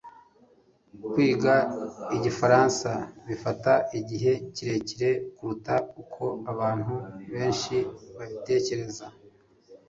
Kwiga Igifaransa bifata igihe kirekire kuruta uko abantu benshi babitekereza